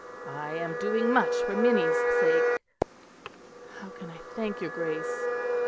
I am doing much for Minnie's sake." "How can I thank your Grace?"